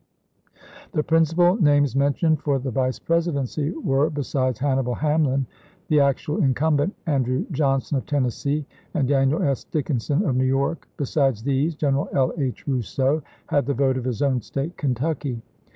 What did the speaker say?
The principal names mentioned for the Vice Presidency were, besides Hannibal Hamlin, the ac tual incumbent, Andrew Johnson of Tennessee, and Daniel S. Dickinson of New York; besides these General L. H. Rousseau had the vote of his own State, Kentucky.